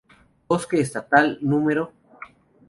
Bosque Estatal no.